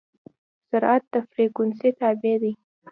سرعت د فریکونسي تابع دی.